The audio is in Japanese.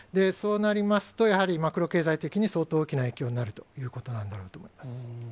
そうなりますと、やはりマクロ経済的に相当大きな影響になるということなんだろう